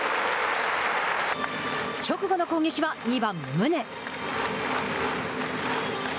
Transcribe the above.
直後の攻撃は２番宗。